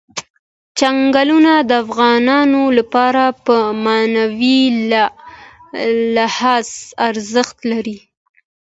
چنګلونه د افغانانو لپاره په معنوي لحاظ ارزښت لري.